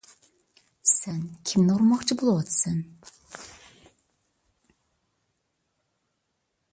سەن كىمنى ئۇرماقچى بولۇۋاتىسەن؟